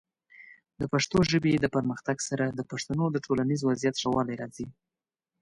د پښتو ژبې د پرمختګ سره، د پښتنو د ټولنیز وضعیت ښه والی راځي.